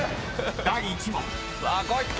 ［第１問］